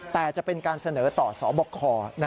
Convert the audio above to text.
แต่จะเป็นการเสนอต่อสบค